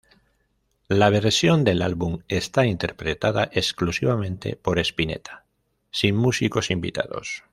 La versión del álbum está interpretada exclusivamente por Spinetta, sin músicos invitados.